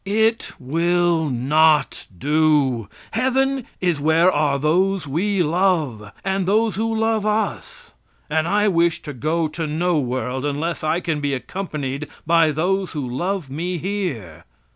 It will not do. Heaven is where are those we love, and those who love us. And I wish to go to no world unless I can be accompanied by those who love me here.